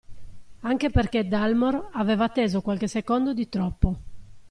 Anche perché Dalmor aveva atteso qualche secondo di troppo.